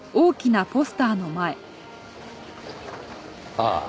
ああ